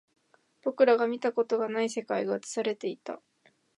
僕らが見たことがない世界が映されていた